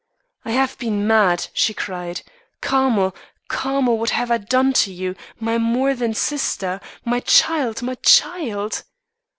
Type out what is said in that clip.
'I have been mad!' she cried. 'Carmel, Carmel, what have I done to you, my more than sister my child, my child!